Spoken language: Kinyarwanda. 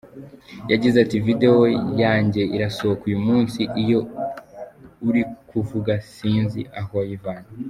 Yagize ati “Video yanjye irasohoka uyu munsi, iyo uri kuvuga sinzi aho wayivanye.